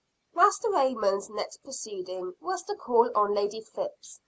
Master Raymond's next proceeding was to call on Lady Phips.